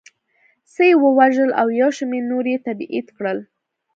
څه یې ووژل او یو شمېر نور یې تبعید کړل